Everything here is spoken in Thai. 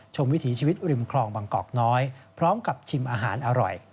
วิถีชีวิตริมคลองบางกอกน้อยพร้อมกับชิมอาหารอร่อย